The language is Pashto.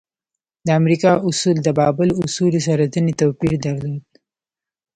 د امریکا اصول د بابل اصولو سره ځینې توپیر درلود.